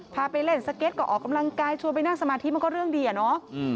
พาไปเล่นสเก็ตก็ออกกำลังกายชวนไปนั่งสมาธิมันก็เรื่องดีอะเนาะ